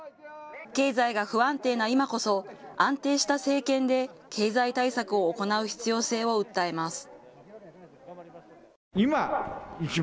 経済が不安定な今こそ、安定した政権で経済対策を行う必要性を訴えます。